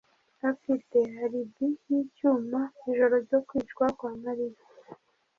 afite alibi yicyuma ijoro ryo kwicwa kwa Mariya